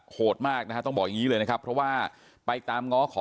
โหดมากนะฮะต้องบอกอย่างนี้เลยนะครับเพราะว่าไปตามง้อขอ